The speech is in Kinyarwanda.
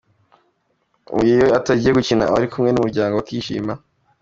Iyo atagiye gukina aba ari kumwe n'umuryango bakishimana.